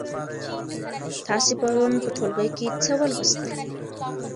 تاسې پرون په ټولګي کې څه ولوستل؟